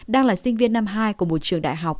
đang là sinh viên năm hai của một trường đại học